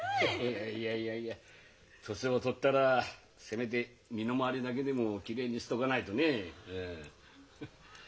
いやいやいやいや年を取ったらせめて身の回りだけでもきれいにしとかないとねえ。